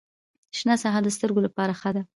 شنه ساحه د سترګو لپاره ښه ده